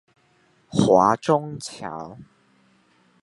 華中橋